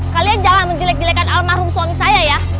kalian jangan menjelek jelekan almarhum suami saya ya